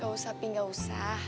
gak usah pi gak usah